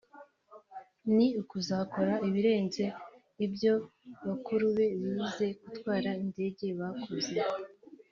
ni ukuzakora ibirenze ibyo bakuru be bize gutwara indege bakoze